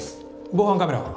防犯カメラは？